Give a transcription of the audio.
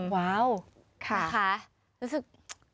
ว้าวนะคะรู้สึก